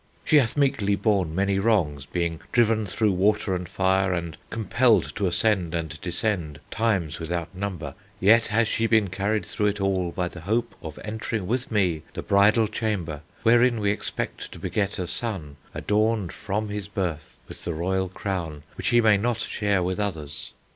She has meekly borne many wrongs, being driven through water and fire, and compelled to ascend and descend times without number yet has she been carried through it all by the hope of entering with me the bridal chamber, wherein we expect to beget a son adorned from his birth with the royal crown which he may not share with others.